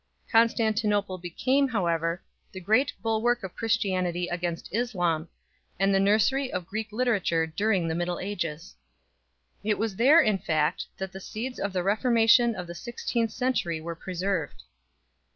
Constantinople became, however, the great bulwark of Christianity against Islam, and the nursery of Greek lite rature during the Middle Ages. It was there, in fact, that the seeds of the Reformation of the sixteenth century were preserved.